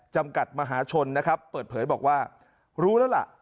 จำกัดมหาชนนะครับเปิดเผยบอกว่ารู้แล้วล่ะ